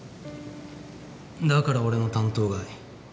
だから俺の担当外。